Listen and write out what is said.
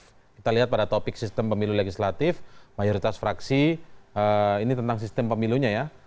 kita lihat pada topik sistem pemilu legislatif mayoritas fraksi ini tentang sistem pemilunya ya